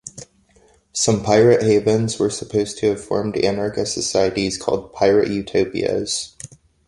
Some pirate havens were supposed to have formed anarchist societies called pirate utopias.